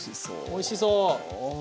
おいしそう！